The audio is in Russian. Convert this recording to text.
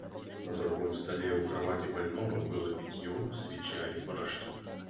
На другом столе у кровати больного было питье, свеча и порошки.